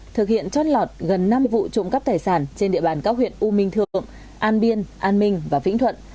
thực hiện trót lọt gần năm vụ trộm cắp tài sản trên địa bàn các huyện u minh thượng an biên an minh và vĩnh thuận